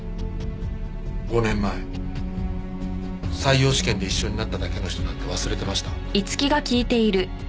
５年前採用試験で一緒になっただけの人なんて忘れてました。